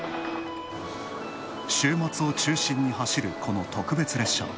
週末を中心に走るこの特別列車。